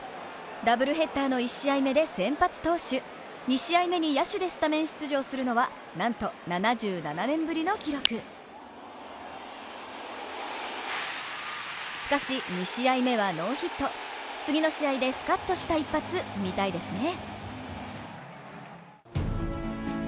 ダブルヘッダーの１試合目で先発投手２試合目に野手でスタメン出場するのはなんと７７年ぶりの記録しかし、２試合目はノーヒット、次の試合でスカッとした一発見たいですね。